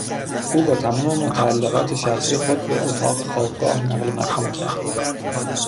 او با تمام متعلقات شخصی خود به اتاق خوابگاه نقل مکان کرد.